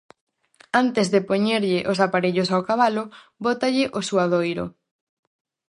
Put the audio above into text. Antes de poñerlle os aparellos ao cabalo, bótalle o suadoiro.